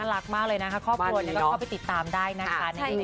รักมากเลยนะคะครอบครัวนี้ก็เข้าไปติดตามได้นะคะ